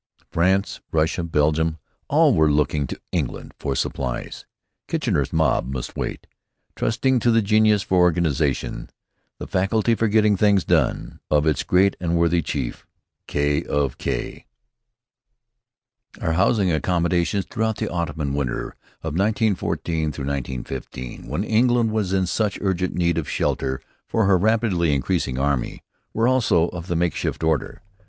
France, Russia, Belgium, all were looking to England for supplies. Kitchener's Mob must wait, trusting to the genius for organization, the faculty for getting things done, of its great and worthy chief, K. of K. Our housing accommodations, throughout the autumn and winter of 1914 15, when England was in such urgent need of shelter for her rapidly increasing armies, were also of the makeshift order.